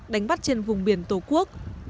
đánh bắt trên vùng biển tổ quốc